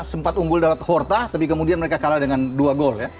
sempat unggul lewat horta tapi kemudian mereka kalah dengan dua gol ya